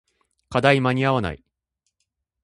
課題間に合わない